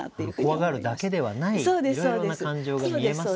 怖がるだけではないいろいろな感情が見えますね。